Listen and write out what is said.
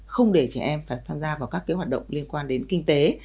không để trẻ em phải tham gia vào các hoạt động liên quan đến kinh tế